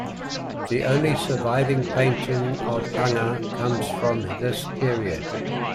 The only surviving painting of Hanger comes from this period.